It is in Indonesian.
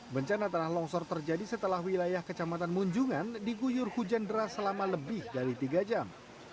bencana tanah longsor terjadi setelah wilayah kecamatan munjungan diguyur hujan deras selama lebih dari tiga jam